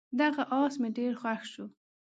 دغه اس مې ډېر خوښ شو.